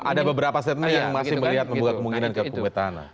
ada beberapa setnya yang masih melihat kemungkinan ke kubu petahana